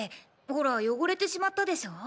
ほら汚れてしまったでしょう。